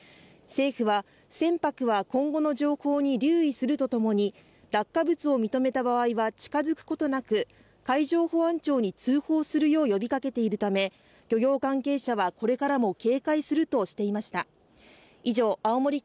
政府は、船舶は今後の情報に留意するとともに落下物を認めた場合は近づくことなく海上保安庁に通報するよう呼びかけているため漁業関係者はこれからも警戒するとしていました。